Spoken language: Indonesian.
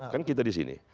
kan kita disini